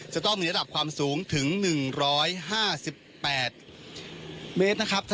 จะต้องมีระดับความสูงถึง๑๕๘เมตรนะครับ